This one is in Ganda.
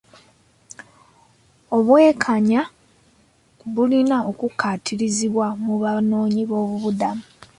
Obwenkanya bulina okukkaatirizibwa mu banoonyi b'obubudamu.